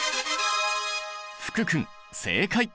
福君正解！